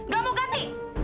gak mau ganti